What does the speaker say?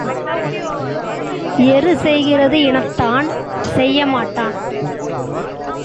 எருச் செய்கிறது இனத்தான் செய்ய மாட்டான்.